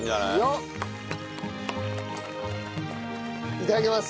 いただきます。